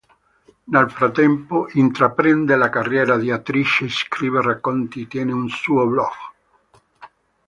Nel frattempo intraprende la carriera di attrice, scrive racconti e tiene un suo blog.